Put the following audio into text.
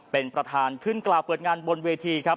เป็นประธานขึ้นกล่าวเปิดงานบนเวทีครับ